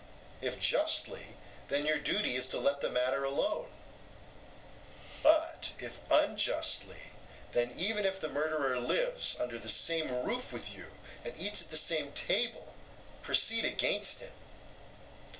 If justly, then your duty is to let the matter alone; but if unjustly, then even if the murderer lives under the same roof with you and eats at the same table, proceed against him.